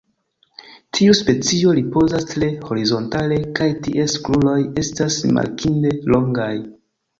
Tiu specio ripozas tre horizontale, kaj ties kruroj estas rimarkinde longaj.